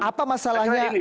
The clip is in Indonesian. oke apa masalahnya